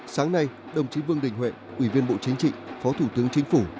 sáng nay đồng chí vương đình huệ ủy viên bộ chính trị phó thủ tướng chính phủ